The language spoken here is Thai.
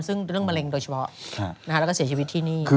ซึ่งเรื่องมะเร็งโดยเฉพาะแล้วก็เสียชีวิตที่นี่